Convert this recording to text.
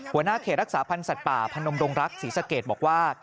หัวหน้าเขตรักษาพันธ์สัตว์ป่าพนมดงรักศรีสะเกดบอกว่า